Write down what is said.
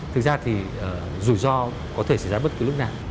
thực ra thì rủi ro có thể xảy ra bất cứ lúc nào